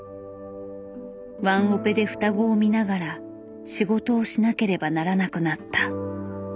ワンオペで双子を見ながら仕事をしなければならなくなった。